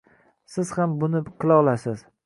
Siz ham buni qila olasiz